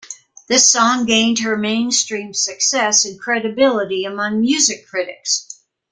This song gained her mainstream success and credibility among music critics.